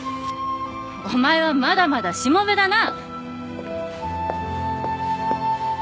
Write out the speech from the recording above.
お前はまだまだしもべだな。